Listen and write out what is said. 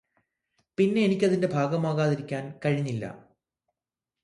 പിന്നെ എനിക്കതിന്റെ ഭാഗമാകാതിരിക്കാന് കഴിഞ്ഞില്ല